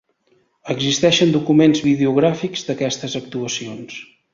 Existeixen documents videogràfics d'aquestes actuacions.